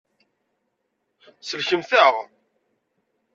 Sellkemt-aɣ.